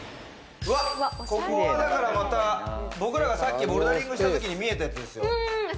ここは、だからまた僕らがさっきボルダリングしたときに見えたやつですよ。